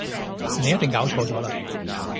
你一定搞錯咗喇